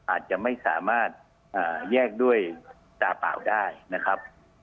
อาจจะไม่สามารถแยกด้วยตาเปล่าได้นะครับ